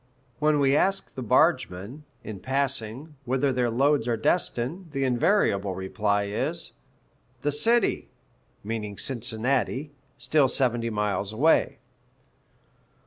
When we ask the bargemen, in passing, whither their loads are destined, the invariable reply is, "The city" meaning Cincinnati, still seventy miles away.